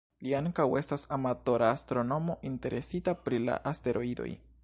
Li ankaŭ estas amatora astronomo interesita pri la asteroidoj.